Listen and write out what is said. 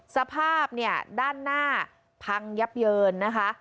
สภาพเนี่ยด้านหน้าพังยับเยินนะคะ